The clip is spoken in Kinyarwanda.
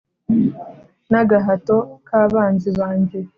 N’agahato k’abanzi banjye.